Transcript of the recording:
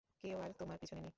কেউ আর তোমার পিছনে নেই।